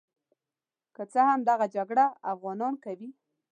که څه هم دغه جګړه افغانان کوي.